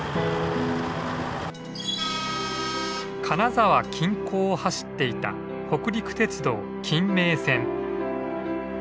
金沢近郊を走っていた北陸鉄道金名線。